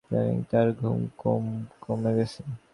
ইদানীং তার ঘুম খুব কমে গেছে।